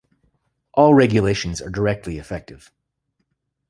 All regulations are directly effective.